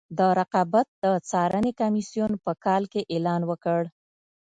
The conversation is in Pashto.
د رقابت د څارنې کمیسیون په کال کې اعلان وکړ.